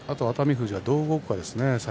富士がどのように動くかですね。